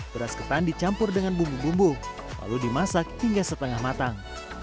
beras ketan dicampur dengan bumbu bumbu lalu dimasak hingga setengah matang